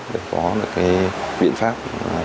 để có biện pháp